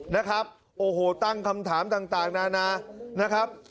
นะครับโอ้โหตั้งคำถามต่างนานานะครับ